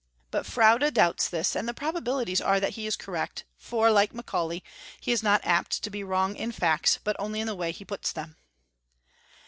But Froude doubts this; and the probabilities are that he is correct, for, like Macaulay, he is not apt to be wrong in facts, but only in the way he puts them.